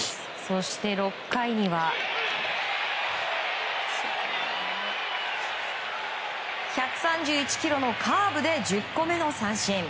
そして６回には１３１キロのカーブで１０個目の三振。